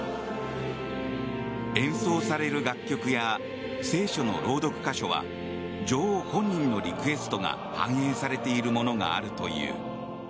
演奏される楽曲や聖書の朗読箇所は女王本人のリクエストが反映されているものがあるという。